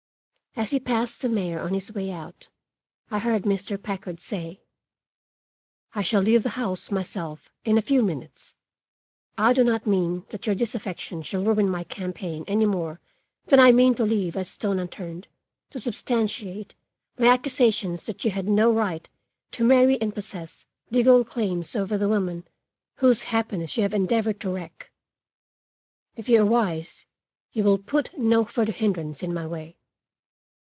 As he passed the mayor on his way out, I heard Mr. Packard say: "I shall leave the house myself in a few minutes. I do not mean that your disaffection shall ruin my campaign any more than I mean to leave a stone unturned to substantiate my accusation that you had no right to marry and possess legal claims over the woman whose happiness you have endeavored to wreck. If you are wise you will put no further hindrance in my way."